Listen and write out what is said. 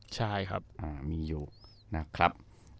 ใช่ครับ